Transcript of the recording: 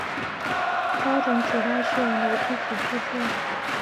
标准纸袋是由牛皮纸制成的。